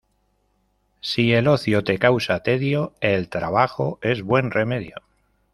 Si el ocio te causa tedio, el trabajo es buen remedio.